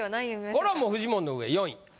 これはもうフジモンの上４位。